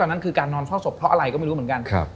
นั้นคือการนอนเฝ้าศพเพราะอะไรก็ไม่รู้เหมือนกัน